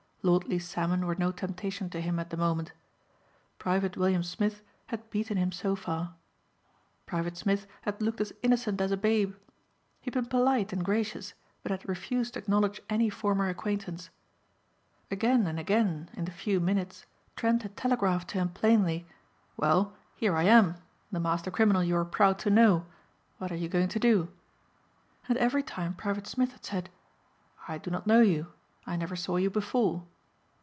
Lordly salmon were no temptation to him at the moment. Private William Smith had beaten him so far. Private Smith had looked as innocent as a babe. He had been polite and gracious but had refused to acknowledge any former acquaintance. Again and again in the few minutes Trent had telegraphed to him plainly, "Well, here I am, the master criminal you were proud to know, what are you going to do?" And every time Private Smith had said, "I do not know you. I never saw you before."